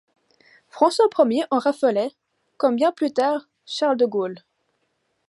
François Ier en raffolait, comme bien plus tard Charles de Gaulle.